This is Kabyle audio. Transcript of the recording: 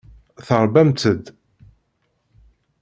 Terbamt-d.